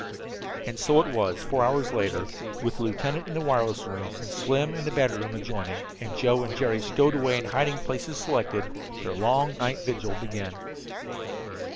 And so it was, four hours later, with the lieutenant in the wireless room, and Slim in the battery room adjoining, and Joe and Jerry stowed away in the hiding places selected, their long night vigil began.